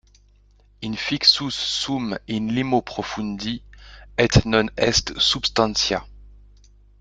Infixus sum in limo profundi ; et non est substantia.